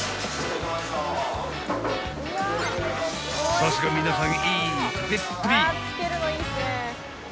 ［さすが皆さん］